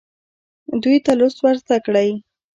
دوی ته لوست ورزده کړئ.